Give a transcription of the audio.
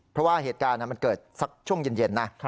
เพราะว่าเหตุการณ์มันเกิดสักช่วงเย็นนะ